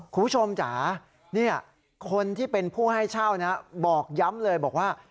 จ๋าคนที่เป็นผู้ให้เช่านะบอกย้ำเลยบอกว่า